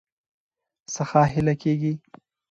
څخه هيله کيږي